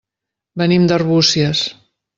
Venim d'Arbúcies.